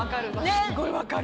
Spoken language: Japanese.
すっごい分かる。